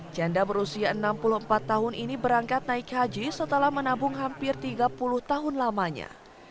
janda berusia enam puluh empat tahun ini berangkat naik haji setelah menabung hampir tiga puluh tahun lamanya